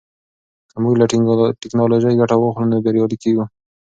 که موږ له ټیکنالوژۍ ګټه واخلو نو بریالي کیږو.